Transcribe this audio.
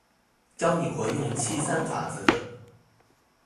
教你活用七三法則